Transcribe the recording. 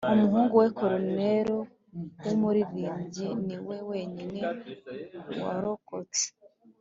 umuhungu we corneille w'umuririmbyi niwe wenyine warokotse